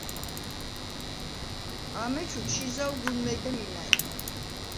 ამეჩუ ჩი ზავ გუნ მეგემ იმა̈რი.